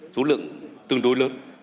số lượng tương đối lớn